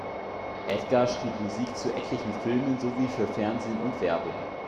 Edgar schrieb Musik zu etlichen Filmen sowie für Fernsehen und Werbung.